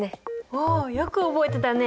おおよく覚えてたね。